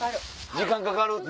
時間かかるって。